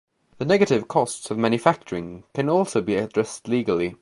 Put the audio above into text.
The negative costs of manufacturing can also be addressed legally.